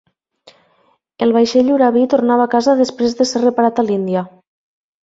El vaixell "Huravee" tornava a casa després de ser reparat a l'Índia.